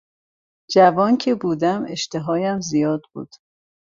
جوان که بودم اشتهایم زیاد بود.